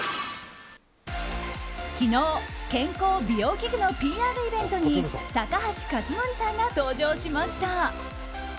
昨日、健康・美容器具のＰＲイベントに高橋克典さんが登場しました。